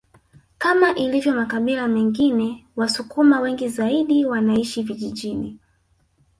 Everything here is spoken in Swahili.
Kama ilivyo makabila mengine wasukuma wengi zaidi wanaishi vijijini